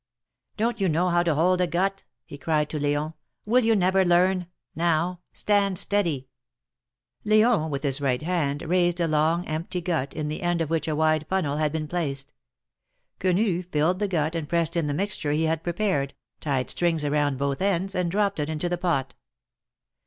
Don't you know how to hold a gut ?" he cried to L^on. Will you never learn ? Now, stand steady !" L4on, with his right hand, raised a long empty gut, in the end of which a wide funnel had been placed. Quenu filled the gut and pressed in the mixture he had prepared, tied strings around both ends and dropped it into the pot.